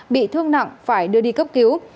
bị thương nặng phải đưa đi cấp cứu